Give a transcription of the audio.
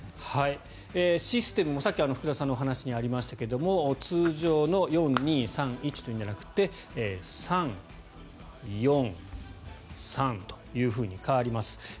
システムもさっき福田さんのお話にありましたが通常の４−２−３−１というんじゃなくて３−４−３と変わります。